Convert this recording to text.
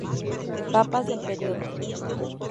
Papas del periodo